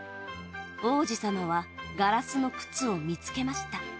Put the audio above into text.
王子様はガラスの靴を見つけました